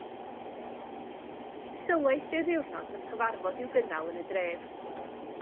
Mi sylwais ryw ddiwrnod fod cyfarfod i'w gynnal yn y dref.